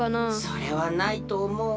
それはないとおもうが。